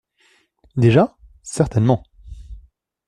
, Déjà ? Certainement.